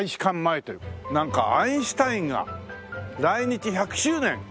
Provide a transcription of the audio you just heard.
なんかアインシュタインが来日１００周年。